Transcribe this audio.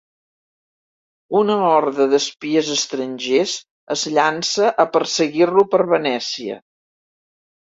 Una horda d'espies estrangers es llança a perseguir-lo per Venècia.